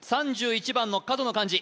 ３１番の角の漢字